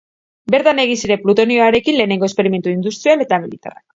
Bertan egin ziren plutonioarekin lehenengo esperimentu industrial eta militarrak.